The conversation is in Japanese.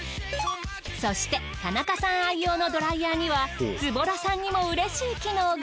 そして田中さん愛用のドライヤーにはズボラさんにもうれしい機能が。